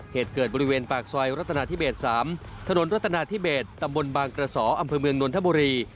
เหตุเกิดบริเวณปากซอยรัฐนาธิเบส๓ถนนรัตนาธิเบสตำบลบางกระสออำเภอเมืองนนทบุรี